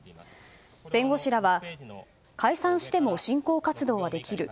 弁護士らは解散しても振興活動はできる。